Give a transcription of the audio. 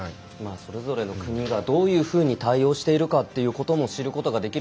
それぞれの国がどういうふうに対応しているかということも知ることができる。